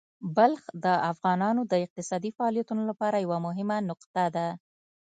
بلخ د افغانانو د اقتصادي فعالیتونو لپاره یوه مهمه نقطه ده.